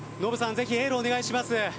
ぜひエールをお願いします。